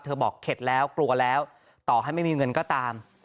บอกเข็ดแล้วกลัวแล้วต่อให้ไม่มีเงินก็ตาม